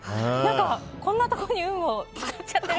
こんなところに運を使っちゃってる。